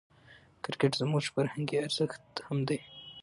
کرکټ زموږ فرهنګي ارزښت هم دئ.